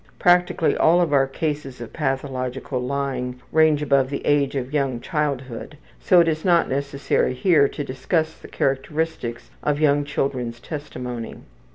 Practically all of our cases of pathological lying range above the age of young childhood, so it is not necessary here to discuss the characteristics of young children's testimony.